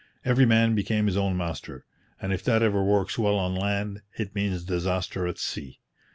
Every man became his own master; and if that ever works well on land, it means disaster at sea.